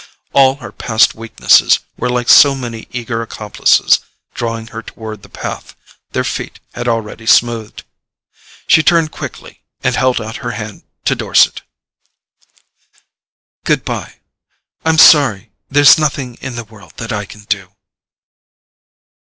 All her past weaknesses were like so many eager accomplices drawing her toward the path their feet had already smoothed. She turned quickly, and held out her hand to Dorset. "Goodbye—I'm sorry; there's nothing in the world that I can do."